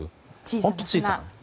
本当に小さな。